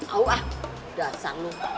awah dasar lo